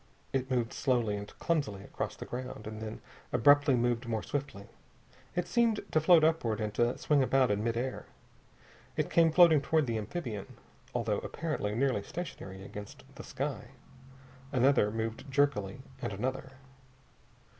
It moved slowly and clumsily across the ground, and then abruptly moved more swiftly. It seemed to float upward and to swing about in mid air. It came floating toward the amphibian, though apparently nearly stationary against the sky. Another moved jerkily, and another....